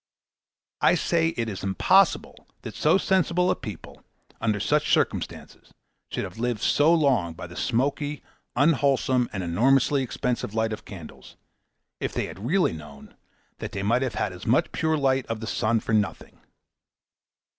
I say it is impossible that so sensible a people, under such circumstances, should have lived so long by the smoky, unwholesome, and enormously expensive light of candles, if they had really known, that they might have had as much pure light of the sun for nothing.